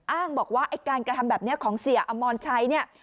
อ้างบอกว่าไอ้การกระทำแบบนี้ของเสียอมรชัยเนี่ย